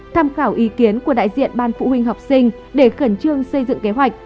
tham khảo ý kiến của đại diện ban phụ huynh học sinh để khẩn trương xây dựng kế hoạch